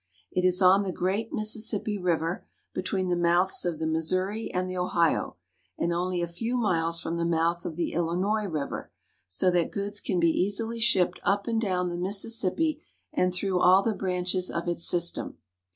It is on the great Mississippi River, between the mouths of the Missouri and the Ohio, and only a few miles from the mouth of the Illinois River, so that goods can be easily shipped up and down the Mississippi and through all the branches of its system.